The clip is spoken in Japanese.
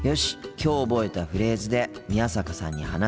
きょう覚えたフレーズで宮坂さんに話しかけてみよう。